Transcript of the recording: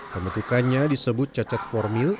pembentukannya disebut cacat formil